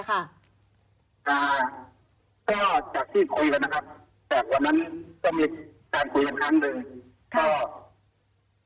ก็จากที่คุยกันนะครับ